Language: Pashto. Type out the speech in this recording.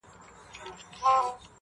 کله سوړ نسیم چلیږي کله ټاکنده غرمه سي!!